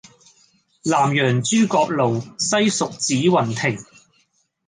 南陽諸葛廬，西蜀子雲亭